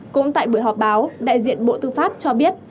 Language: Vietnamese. cũng tại buổi họp báo đại diện bộ tư pháp cho biết